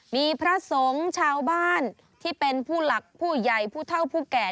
มีพระสงฆ์ชาวบ้านที่เป็นผู้หลักผู้ใหญ่ผู้เท่าผู้แก่